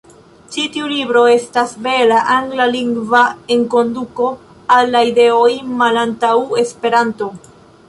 Ĉi tiu libro estas bela anglalingva enkonduko al la ideoj malantaŭ Esperanto.